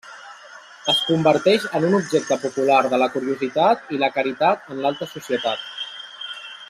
Es converteix en un objecte popular de la curiositat i la caritat en l'alta societat.